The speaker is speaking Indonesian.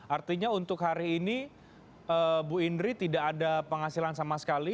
artinya untuk hari ini bu indri tidak ada penghasilan sama sekali